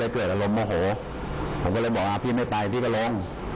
ผมก็เลยบอกพี่ไม่ตายพี่ก็ร้อง